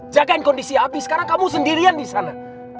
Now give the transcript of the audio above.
jagain kondisi abi sekarang kamu sendirian disana